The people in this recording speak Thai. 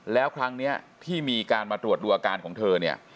แล้วครั้งนี้ที่มีการมาตรวจดูอาการของเธอเนี่ย